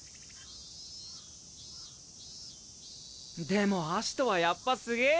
でもアシトはやっぱすげえよ！